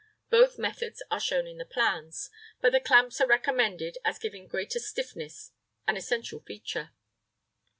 Both methods are shown in the plans, but the clamps are recommended as giving greater stiffness, an essential feature.